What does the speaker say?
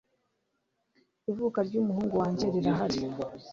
ivuka ry'umuhungu wanjye rirahari